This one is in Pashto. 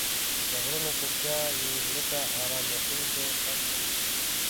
د غرونو چوپتیا یو زړه ته آرام بښونکی خوند لري.